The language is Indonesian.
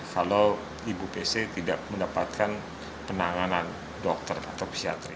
kalau ibu pc tidak mendapatkan penanganan dokter atau psikiatri